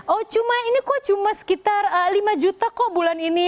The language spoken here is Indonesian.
oh cuma ini kok cuma sekitar lima juta kok bulan ini